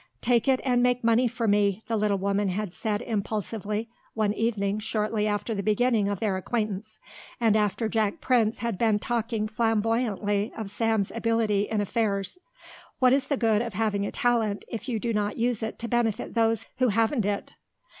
"Take it and make money for me," the little woman had said impulsively one evening shortly after the beginning of their acquaintance and after Jack Prince had been talking flamboyantly of Sam's ability in affairs. "What is the good of having a talent if you do not use it to benefit those who haven't it?"